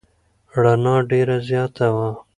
رڼا ډېره زیاته وه.